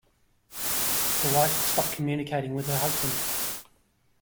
The wife had stopped communicating with her husband